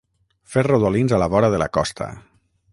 Fer rodolins a la vora de la costa.